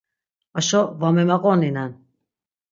Aşo va memaqoninen.